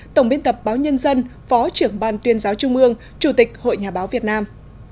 tổng biên tập báo nhân dân phó trưởng ban tuyên giáo trung ương chủ tịch hội nhà báo việt nam